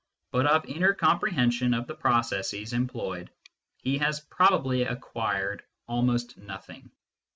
But of inner comprehension of the processes employed he has probably acquired almost nothing.